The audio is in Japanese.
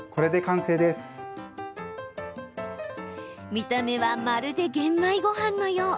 見た目はまるで玄米ごはんのよう。